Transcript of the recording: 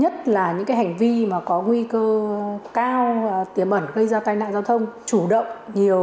các vụ tai nạn giao thông chủ yếu xảy ra trên đường bộ